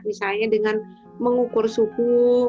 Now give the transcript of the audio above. misalnya dengan mengukur suhu